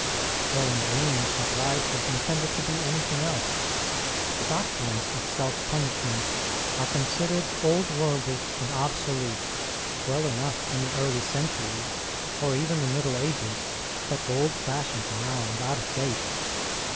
No one dreams that life was in tended to be anything rise. The doctrines of self punishment are considered old worldish and obsolete; well enough in the early centuries, or even the; Middle 1 Ages, but old fnshioned now and out of date 1